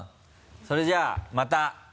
それじゃあまた。